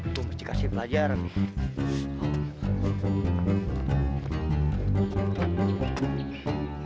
itu mesti kasih pelajaran nih